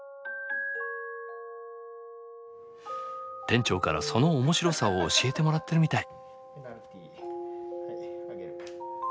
店長からその面白さを教えてもらってるみたい。